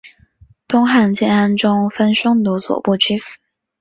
东汉建安中分匈奴左部居此。